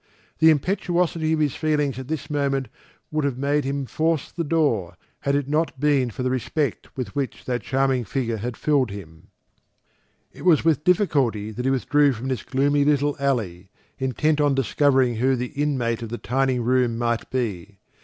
The impetuosity of his feelings at this moment would have made him force the door, had it not been for the respect with which that charming figure filled him. It was with difficulty that he withdrew from this gloomy little alley, intent on discovering who the inmate of the tiny room might be.